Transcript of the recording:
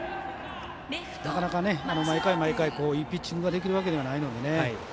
なかなか、毎回毎回いいピッチングができるわけではないのでね。